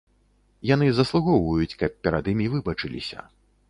Яны заслугоўваюць, каб перад імі выбачыліся.